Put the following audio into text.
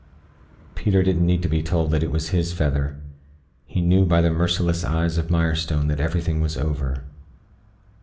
Peter didn't need to be told that it was his feather. He knew by the merciless eyes of Mirestone that everything was over.